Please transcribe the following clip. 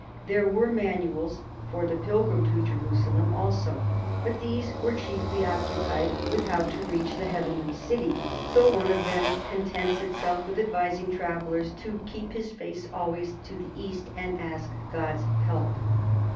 There were manuals for the pilgrim to Jerusalem also, but these were chiefly occupied with how to reach the heavenly city, though one of them contents itself THE NORMANS IN THE SOUTH 195 with advising the traveller to keep his face always to the east and ask God's help.